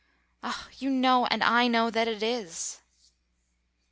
Ah, you know, and I know, that it is!"